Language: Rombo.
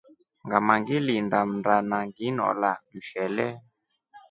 Ngama ngilinda mndana nginola mshele.